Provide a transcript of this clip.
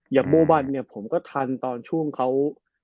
โบวันเนี่ยผมก็ทันตอนช่วงเขา